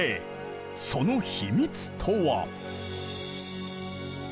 その秘密とは？